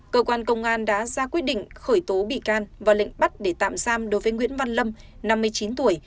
cơ quan công an đã ra quyết định khởi tố bị can và lệnh bắt để tạm giam đối với nguyễn văn lâm năm mươi chín tuổi